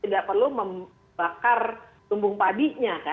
tidak perlu membakar tumbung padinya